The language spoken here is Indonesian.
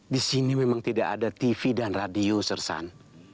di sini memang tidak ada tv dan radio sersan